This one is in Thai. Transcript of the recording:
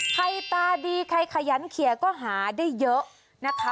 ตาดีใครขยันเขียก็หาได้เยอะนะคะ